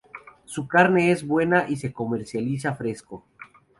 Su carne es buena y se comercializa fresco.